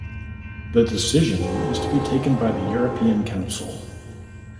The decision is to be taken by the European Council.